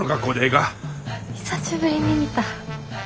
久しぶりに見た。